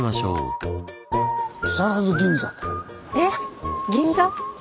えっ銀座？